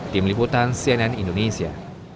tim liputan cnn indonesia